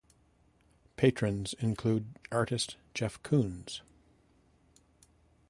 "Patrons" include artist Jeff Koons.